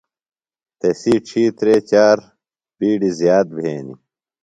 تسی ڇِھیترے چار بِیڈیۡ زِیات بھینیۡ۔